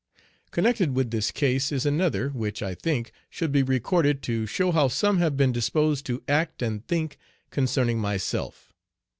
Connected with this case is another, which, I think, should be recorded, to show how some have been disposed to act and think concerning myself.